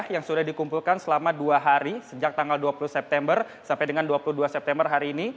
yang sudah dikumpulkan selama dua hari sejak tanggal dua puluh september sampai dengan dua puluh dua september hari ini